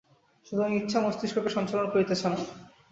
সুতরাং ইচ্ছা মস্তিষ্ককে সঞ্চালন করিতেছে না।